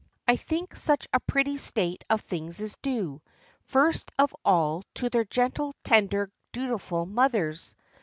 I think such a pretty state of things is due, first of all, to their gentle, tender, dutiful mothers.